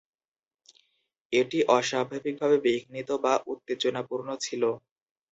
এটি অস্বাভাবিকভাবে বিঘ্নিত বা 'উত্তেজনাপূর্ণ' ছিল।